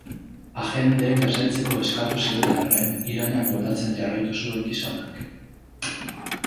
Agenteek lasaitzeko eskatu zioten arren, irainak botatzen jarraitu zuen gizonak.